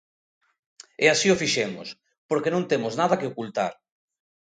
E así o fixemos, porque non temos nada que ocultar.